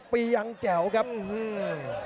๓๖ปียังแจ๋วครับ